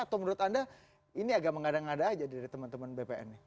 atau menurut anda ini agak mengada ngada aja dari teman teman bpn nih